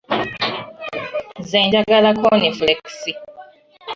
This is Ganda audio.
Nze njagala konifulekisi.